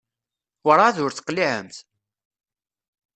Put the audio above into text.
Werɛad ur teqliɛemt?